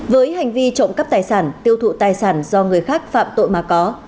với hành vi trộm cắp tài sản tiêu thụ tài sản do người khác phạm tội mà có